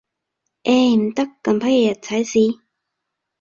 唉，唔得，近排日日踩屎